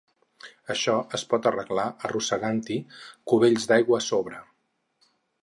Això es pot arreglar arrossegant-hi cubells d'aigua a sobre.